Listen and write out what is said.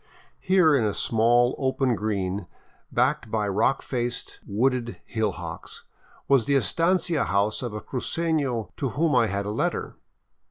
Here, in a small open green backed by rock faced, wooded hillocks, was the estancia house of a crucefio to whom I had a letter.